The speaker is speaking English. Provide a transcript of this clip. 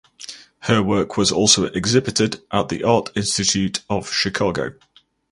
Her work was also exhibited at the Art Institute of Chicago.